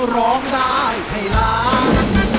ร้องได้ให้ล้าน